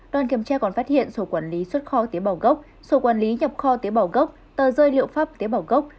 đoàn kiểm tra còn phát hiện sổ quản lý xuất kho tế bào gốc sổ quản lý nhập kho tế bảo gốc tờ rơi liệu pháp tế bào gốc